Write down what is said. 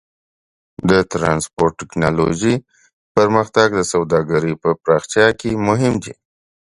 د ټرانسپورټ ټیکنالوجۍ پرمختګ د سوداګرۍ په پراختیا کې مهم دی.